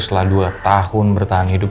setelah dua tahun bertahan hidup